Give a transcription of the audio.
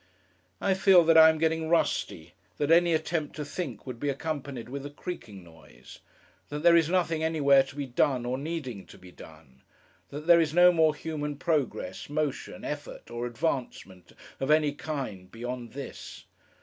I feel that I am getting rusty. That any attempt to think, would be accompanied with a creaking noise. That there is nothing, anywhere, to be done, or needing to be done. That there is no more human progress, motion, effort, or advancement, of any kind beyond this.